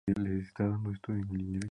Jane Fonda ha estado casada tres veces.